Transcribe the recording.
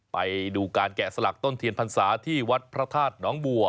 ไปดูการแกะสลักต้นเทียนพรรษาที่วัดพระธาตุน้องบัว